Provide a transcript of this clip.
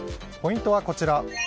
ポイントはこちら。